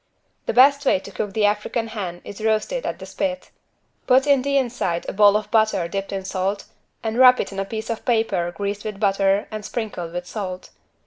The best way to cook the African hen is roasted at the spit. Put in the inside a ball of butter dipped in salt and wrap it in a piece of paper greased with butter and sprinkled with salt.